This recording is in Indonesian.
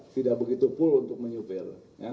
tidak begitu pul untuk menyubil